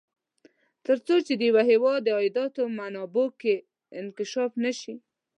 تر څو چې د یوه هېواد د عایداتو منابعو کې انکشاف نه شي.